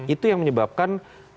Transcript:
itu yang menyebabkan